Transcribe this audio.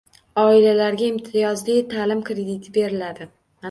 Oilalarga imtiyozli taʼlim krediti beriladi..